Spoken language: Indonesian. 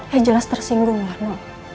ya jelas tersinggung lano